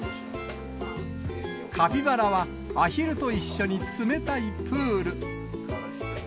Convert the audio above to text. カピバラはアヒルと一緒に冷たいプール。